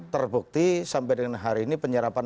terbukti sampai dengan hari ini penyerapan